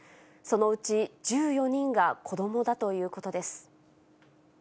そのうち１４人が子どもだということです。